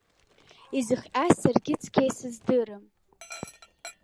Изыхҟьаз саргьы цқьа исыздырам.